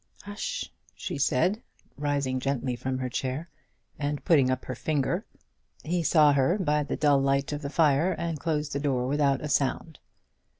"H sh!" she said, rising gently from her chair, and putting up her finger. He saw her by the dull light of the fire, and closed the door without a sound.